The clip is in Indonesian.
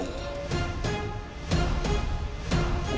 baiklah nanda prabu